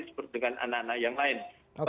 seperti dengan anak anak yang lain